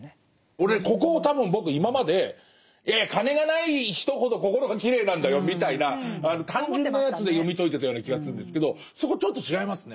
俺ここ多分僕今までいやいや金がない人ほど心がきれいなんだよみたいな単純なやつで読み解いてたような気がするんですけどそこちょっと違いますね。